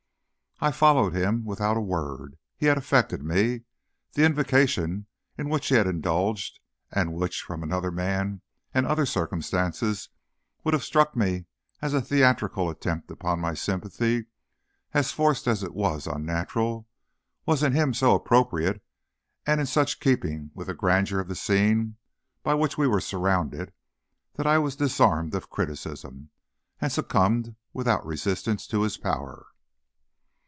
I followed him without a word. He had affected me. The invocation in which he had indulged, and which, from another man, and other circumstances, would have struck me as a theatrical attempt upon my sympathy as forced as it was unnatural, was in him so appropriate, and in such keeping with the grandeur of the scene by which we were surrounded, that I was disarmed of criticism, and succumbed without resistance to his power.